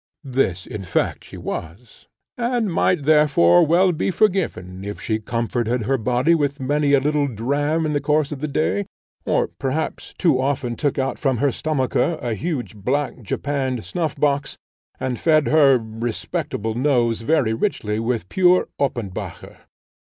This, in fact, she was, and might therefore well be forgiven, if she comforted her body with many a little dram in the course of the day, or, perhaps, too often took out from her stomacher a huge black japanned snuffbox, and fed her respectable nose very richly with pure Oppenbacher.